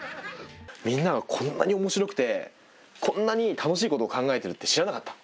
みんながこんなにおもしろくてこんなに楽しいことを考えてるって知らなかった。